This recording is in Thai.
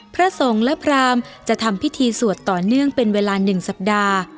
พระสงฆ์และพรามจะทำพิธีสวดต่อเนื่องเป็นเวลา๑สัปดาห์